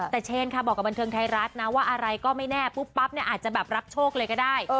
แต่เชนค่ะบอกกับบันเทิงไทยรัฐนะว่าอะไรก็ไม่แน่ปุ๊บปั๊บเนี่ยอาจจะแบบรับโชคเลยก็ได้